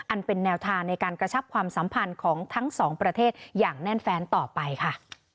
อันเป็นแนวทางในการกระชับความสัมพันธ์ของทั้งสองประเทศอย่างแน่นแฟนต่อไปค่ะ